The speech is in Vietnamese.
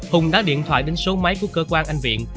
hùng đã điện thoại đến số máy của cơ quan anh viện